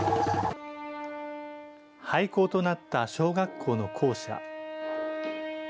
廃校となった小学校の校舎。